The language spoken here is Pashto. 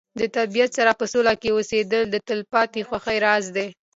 د طبیعت سره په سوله کې اوسېدل د تلپاتې خوښۍ راز دی.